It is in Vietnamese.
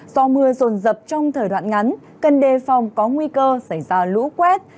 do mưa rồn rập trong thời đoạn ngắn cần đề phòng có nguy cơ xảy ra lũ quét